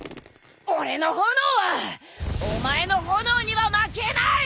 俺の炎はお前の炎には負けない！